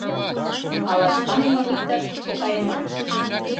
Ала шканемак иктаж-кушко кайыман?